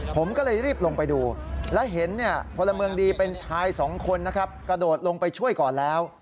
ผมก็เลยรีบลงไปดูและเห็นพลเมืองดีเป็นชายสองคนนะครับกระโดดลงไปช่วยก่อนแล้ว